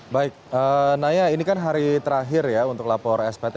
baik naya ini kan hari terakhir ya untuk lapor spt